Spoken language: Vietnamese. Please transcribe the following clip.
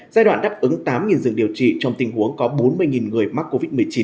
giai đoạn đáp ứng tám giường điều trị trong tình huống có bốn mươi người mắc covid một mươi chín